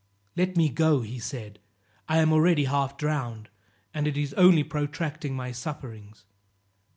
"Let me go," said he. "I am already half drowned, and it is only protracting my sufferings."